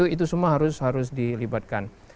itu semua harus dilibatkan